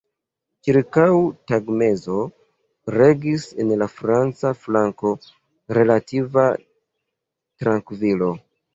Ĉirkaŭ tagmezo regis en la franca flanko relativa trankvilo.